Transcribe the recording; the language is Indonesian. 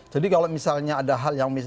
jadi kalau misalnya ada hal yang